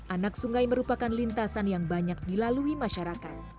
anak sungai merupakan lintasan yang banyak dilalui masyarakat